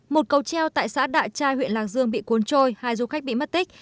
một cầu treo tại xã đạ trai huyện lạc dương bị cuốn trôi hai du khách bị mất tích